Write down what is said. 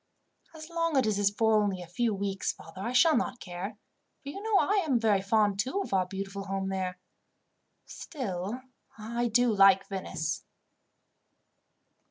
"As long as it is for only a few weeks, father, I shall not care; for you know I am very fond, too, of our beautiful home there. Still, I do like Venice."